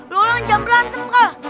lo orang jangan berantem kak